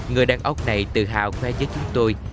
người đàn ốc này tự hào khoe với chúng tôi